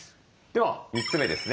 では３つ目ですね。